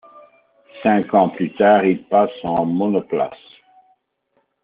Cinq ans plus tard, il passe en monoplace.